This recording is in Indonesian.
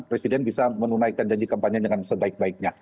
presiden bisa menunaikan dan dikampanye dengan sebaik baiknya